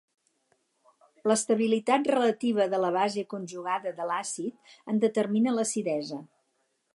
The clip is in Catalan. L'estabilitat relativa de la base conjugada de l'àcid en determina l'acidesa.